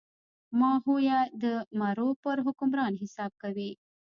ماهویه د مرو پر حکمران حساب کوي.